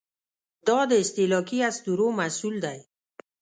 دا د استهلاکي اسطورو محصول دی.